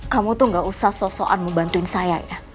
kamu tuh gak usah sosokan mau bantuin saya ya